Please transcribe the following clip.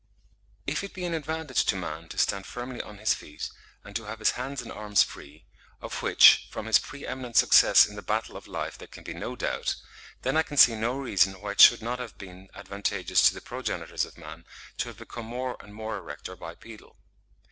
If it be an advantage to man to stand firmly on his feet and to have his hands and arms free, of which, from his pre eminent success in the battle of life there can be no doubt, then I can see no reason why it should not have been advantageous to the progenitors of man to have become more and more erect or bipedal.